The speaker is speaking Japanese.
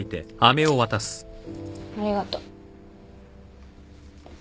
ありがとう。